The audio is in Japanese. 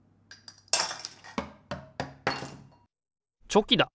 チョキだ！